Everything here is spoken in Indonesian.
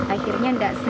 akhirnya tidak selesai